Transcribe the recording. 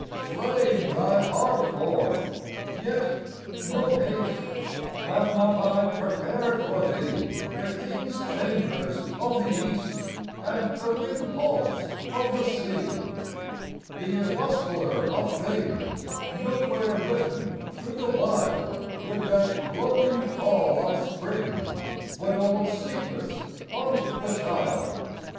"Flame thy heart forth! Yet, no haste: Have not I prepared for thee The king's chambers of the East And the wind halls of the sea? "Be a gospeller of things Nowhere written through the wild, With that gloaming call of Spring's, When old secrets haunt the child.